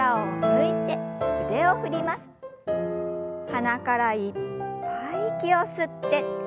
鼻からいっぱい息を吸って。